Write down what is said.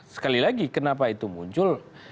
sekali lagi kenapa itu muncul